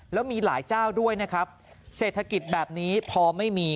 แล้วมีหลายเจ้าด้วยนะครับเศรษฐกิจแบบนี้พอไม่มี